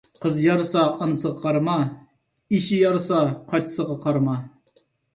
قىزى يارىسا ئانىسىغا قارىما، ئېشى يارىسا قاچىسىغا قارىما.